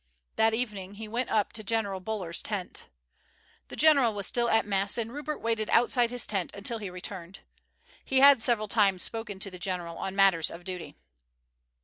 That evening he went up to General Buller's tent. The general was still at mess, and Rupert waited outside his tent until he returned. He had several times spoken to the general on matters of duty.